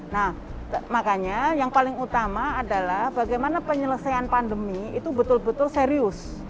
nah makanya yang paling utama adalah bagaimana penyelesaian pandemi itu betul betul serius